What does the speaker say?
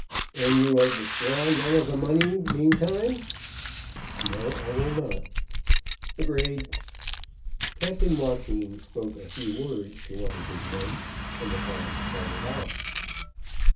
"And you will destroy none of the money mean time?" "No, I will not." "Agreed." Captain Joaquin spoke a few words to one of his men, and the fellow started off.